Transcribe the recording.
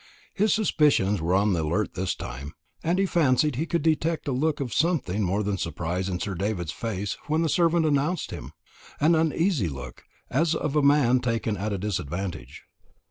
His suspicions were on the alert this time; and he fancied he could detect a look of something more than surprise in Sir David's face when the servant announced him an uneasy look, as of a man taken at a disadvantage.